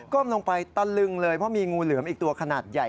ลงไปตะลึงเลยเพราะมีงูเหลือมอีกตัวขนาดใหญ่